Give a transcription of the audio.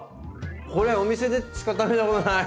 これはお店でしか食べたことない。